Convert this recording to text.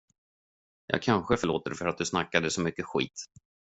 Jag kanske förlåter dig för att du snackade så mycket skit.